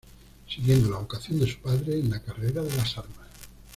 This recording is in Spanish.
Siguiendo la vocación de su padre en la carrera de las armas.